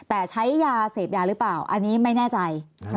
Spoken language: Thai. แต่ใช้ยาเสพยาหรือเปล่าอันนี้ไม่แน่ใจ